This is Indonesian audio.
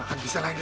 aku di dalam juga